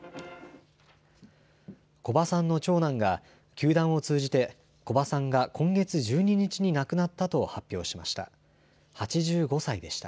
古葉さんの長男が球団を通じて古葉さんが今月１２日に亡くなったと発表しました。